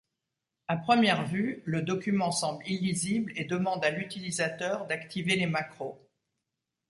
À première vue, le document semble illisible et demande à l'utilisateur d'activer les macros.